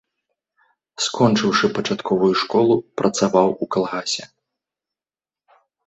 Скончыўшы пачатковую школу, працаваў у калгасе.